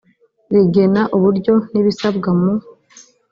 rigena uburyo n ibisabwa mu